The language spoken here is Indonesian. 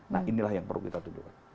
nah inilah yang perlu kita tunduk